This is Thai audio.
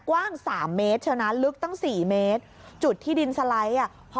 กว้างสามเมตรใช่ไหมลึกตั้งสี่เมตรจุดที่ดินสไลด์อ่ะ